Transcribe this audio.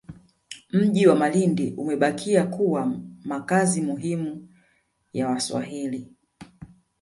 Mji wa Malindi Umebakia kuwa makazi muhimu ya Waswahili